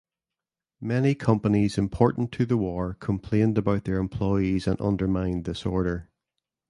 Many companies important to the war complained about their employees and undermined this order.